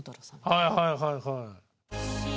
はいはいはいはい。